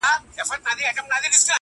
o څارنوال د ځان په جُرم نه پوهېږي,